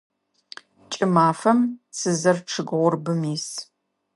Кӏымафэм цызэр чъыг гъурбым ис.